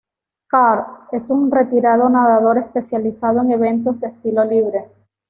Karl es un retirado nadador especializado en eventos de estilo libre.